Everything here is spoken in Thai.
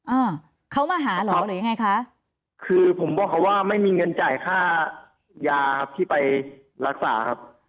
อ่าเขามาหาเหรอหรือยังไงคะคือผมบอกเขาว่าไม่มีเงินจ่ายค่ายาครับที่ไปรักษาครับ